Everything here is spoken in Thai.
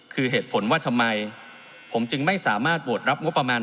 คือเหตุผลว่าทำไมผมจึงไม่สามารถโหวตรับงบประมาณ